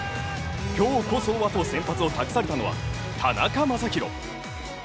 今日こそはと先発を託されたのは田中将大。